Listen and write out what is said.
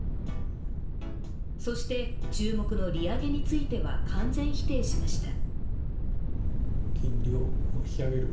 そして注目の利上げについては完全否定しました。